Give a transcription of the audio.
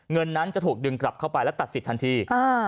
เงินนั้นจะถูกดึงกลับเข้าไปและตัดสิทธิทันที